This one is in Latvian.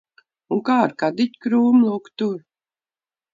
Un kā ar kadiķa krūmu lūk tur?